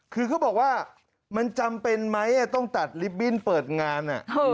คือเขาบอกว่ามันจำเป็นไหมต้องตัดลิฟตบิ้นเปิดงาน